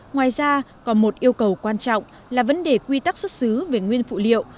ngoài ra còn một yêu cầu quan trọng là vấn đề quy tắc xuất xứ về nguyên phụ liệu